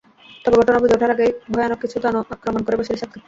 তবে ঘটনা বুঝে ওঠার আগেই ভয়ানক কিছু দানো আক্রমণ করে বসে রিশাদকে।